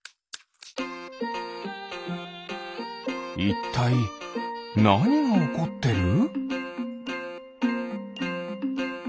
いったいなにがおこってる？